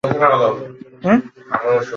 তোমরা ঠিক আছ?